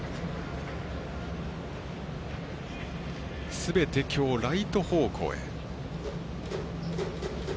すべてきょうライト方向へ。